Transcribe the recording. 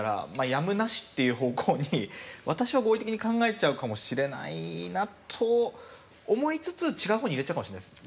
やむなしっていう方向に私は合理的に考えちゃうかもしれないなと思いつつ違う方に入れちゃうかもしれないです。